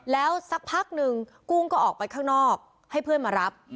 แล้วสักพักหนึ่งกุ้งก็ออกไปข้างนอกให้เพื่อนมารับ